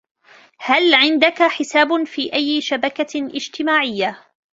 هل عندك حساب في أي شبكة اجتماعية ؟